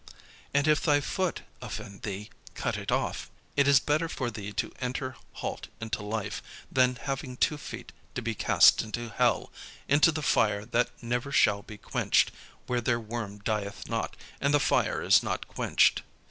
And if thy foot offend thee, cut it off: it is better for thee to enter halt into life, than having two feet to be cast into hell, into the fire that never shall be quenched: where their worm dieth not, and the fire is not quenched.